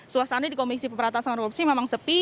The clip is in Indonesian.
suasana di komisi pemeratasan korupsi memang sepi